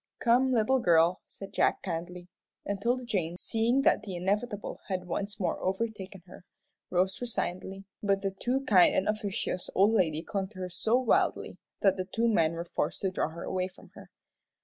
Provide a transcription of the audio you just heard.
"Come, little girl," said Jack, kindly, and 'Tilda Jane, seeing that the inevitable had once more overtaken her, rose resignedly, but the too kind and officious old lady clung to her so wildly that the two men were forced to draw her away from her.